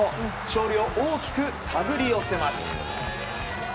勝利を大きく手繰り寄せます。